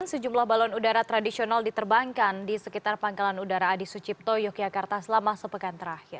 sejumlah balon udara tradisional diterbangkan di sekitar pangkalan udara adi sucipto yogyakarta selama sepekan terakhir